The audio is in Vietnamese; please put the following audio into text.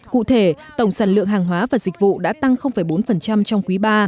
cụ thể tổng sản lượng hàng hóa và dịch vụ đã tăng bốn trong quý ba